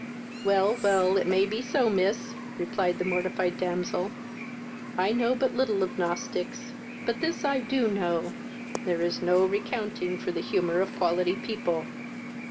"Well, well, it may be so, miss, (replied the mortified damsel;) I know but little of nostics; but this I do know, there is no recounting for the humour of quality people.